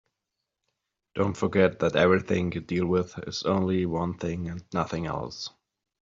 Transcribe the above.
Don't forget that everything you deal with is only one thing and nothing else.